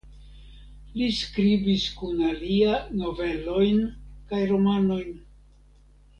Li skribis kun alia novelojn kaj romanojn.